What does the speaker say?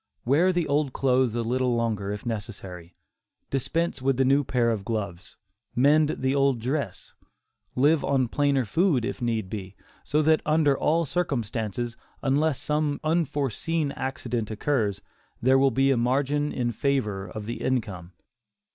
Wear the old clothes a little longer if necessary; dispense with the new pair of gloves; mend the old dress; live on plainer food if need be; so that under all circumstances, unless some unforeseen accident occurs, there will be a margin in favor of the income.